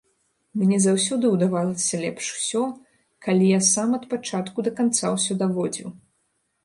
Мне заўсёды ўдавалася лепш усё, калі я сам ад пачатку да канца ўсё даводзіў.